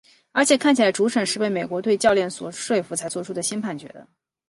而且看起来主审是被美国队教练所说服才做出新判决的。